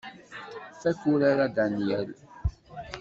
Fakk urar a Danyal.